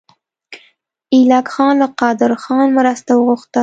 ایلک خان له قدرخان مرسته وغوښته.